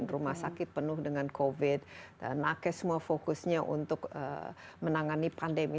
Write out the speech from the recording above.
rumah sakit penuh dengan covid dan nakes semua fokusnya untuk menangani pandemi